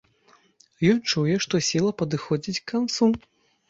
Ён чуе, што сіла падыходзіць к канцу.